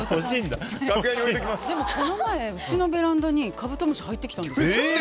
この前、うちのベランダにカブトムシが入ってきたんです。